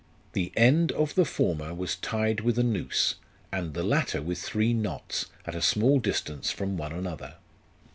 The end of the former was tied with a noose, and the latter with three knots, at a small distance from one another.